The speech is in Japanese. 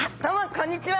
こんにちは。